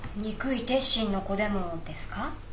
憎い鉄心の子でもですか？